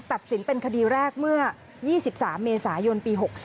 ตัดสินเป็นคดีแรกเมื่อ๒๓เมษายนปี๖๒